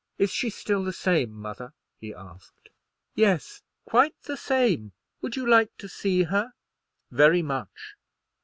"Is she still the same, mother?" he asked. "Yes, quite the same. Would you like to see her?" "Very much."